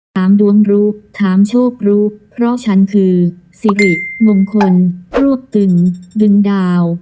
ถามดวงรู้ถามโชครู้เพราะฉันคือสิริมงคลรวบตึงดึงดาว